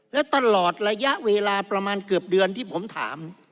และตลอดระยะเวลาประมาณเกือบเดือนที่ผมถาม